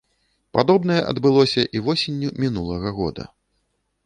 Падобнае адбылося і восенню мінулага года.